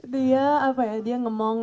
dia apa ya dia ngomong